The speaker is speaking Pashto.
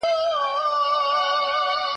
يا دي نه وي يا دي نه سره زامن وي.